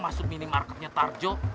masuk minimarketnya tarjo